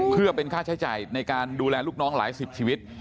เพื่อเป็นค่าใช้จ่ายในการดูแลลูกน้องหลายสิบชีวิต